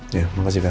ya terima kasih bel